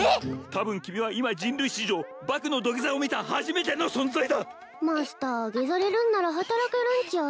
多分君は今人類史上バクの土下座を見た初めての存在だマスターゲザれるんなら働けるんちゃう？